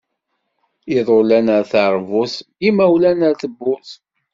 Iḍulan ar teṛbut imawlan ar tebburt.